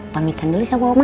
pamitan dulu sama mama